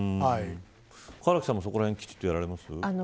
唐木さんも、そこらへんきちっとやられてますか。